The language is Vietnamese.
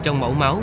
trong mẫu máu